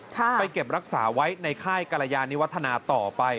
ไปเก็บรักษาไว้ในค่ายกรยานิวัฒนาต่อไป